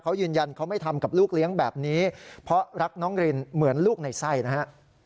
เขายืนยันเขาไม่ทำกับลูกเลี้ยงแบบนี้เพราะรักน้องรินเหมือนลูกในไส้นะฮะ